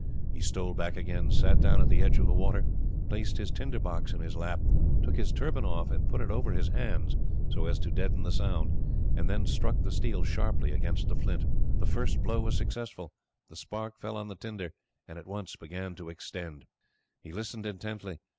He stole back again, sat down at the edge of the water, placed his tinder box in his lap, took his turban off and put it over his hands, so as to deaden the sound, and then struck the steel sharply against the flint. The first blow was successful. The spark fell on the tinder, and at once began to extend. He listened intently.